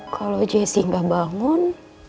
kalau jessy gak bangun